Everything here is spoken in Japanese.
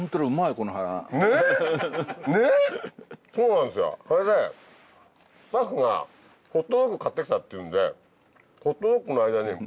それでスタッフがホットドッグ買って来たっていうんで。